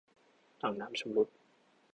ถังน้ำชำรุด